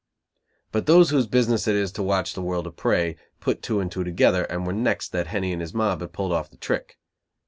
But those whose business it is to watch the world of prey, put two and two together, and were "next" that Henny and his mob had pulled off the trick.